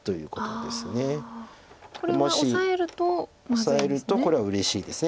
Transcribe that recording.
オサえるとこれはうれしいです。